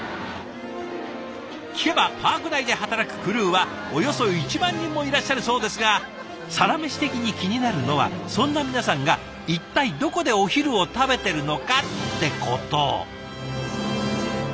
聞けばパーク内で働くクルーはおよそ１万人もいらっしゃるそうですが「サラメシ」的に気になるのはそんな皆さんが一体どこでお昼を食べてるのかってこと。